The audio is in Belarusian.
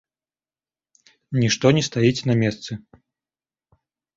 Нішто не стаіць на месцы.